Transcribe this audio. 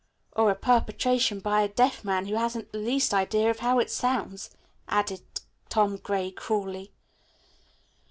"Or a perpetration by a deaf man who hasn't the least idea of how it sounds," added Tom Gray cruelly.